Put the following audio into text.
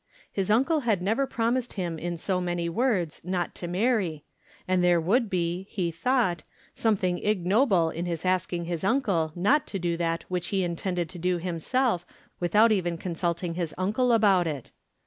His uncle had never promised him in so many words not to marry, and there would be, he thought, something ignoble in his asking his uncle not to do that which he intended to do himself without even consulting his uncle about it.